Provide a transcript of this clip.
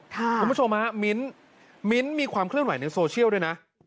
คุณผู้ชมมั้ยมิ้นมิ้นมีความกระถุงขึ้นหวัยในโซเชียลด้วยนะ